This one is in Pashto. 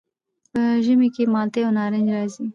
په ژمي کې مالټې او نارنج راځي.